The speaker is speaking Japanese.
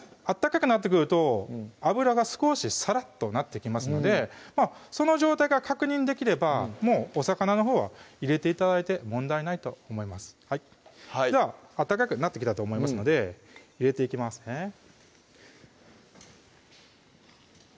温かくなってくると油が少しサラッとなってきますのでその状態が確認できればもうお魚のほうは入れて頂いて問題ないと思いますでは温かくなってきたと思いますので入れていきますね